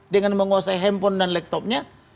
dengan menguasai handphone dan laptopnya